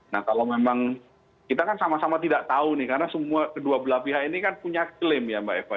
nah kalau memang kita kan sama sama tidak tahu nih karena semua kedua belah pihak ini kan punya klaim ya mbak eva